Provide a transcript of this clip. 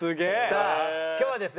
さあ今日はですね